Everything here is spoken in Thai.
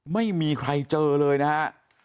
ไม่มีใครเจอเลยนะฮะ